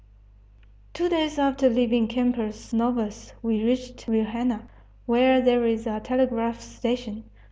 Two days after leaving Campos Novos we reached Vilhena, where there is a telegraph station.